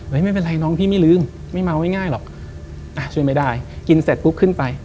ไม่เป็นไรน้องพี่ไม่ลืมไม่เมาง่ายหรอกช่วยไม่ได้กินเสร็จปุ๊บขึ้นไป